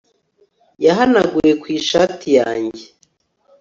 yahanaguye ku ishati yanjye